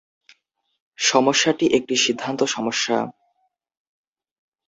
সমস্যাটি একটি সিদ্ধান্ত সমস্যা।